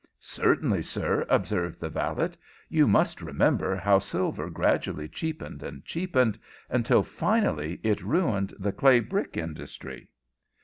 "Certainly, sir," observed the valet. "You must remember how silver gradually cheapened and cheapened until finally it ruined the clay brick industry?"